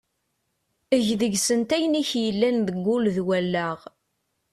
Eg deg-sent ayen i k-yellan deg wul d wallaɣ.